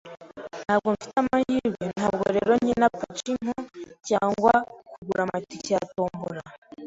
Ntabwo mfite amahirwe, ntabwo rero nkina pachinko cyangwa kugura amatike ya tombola.